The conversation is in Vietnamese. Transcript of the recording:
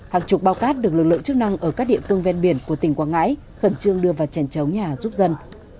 hàng chục bao cát được lực lượng chức năng ở các địa phương ven biển của tỉnh quảng ngãi khẩn trương đưa vào chèn chống nhà giúp dân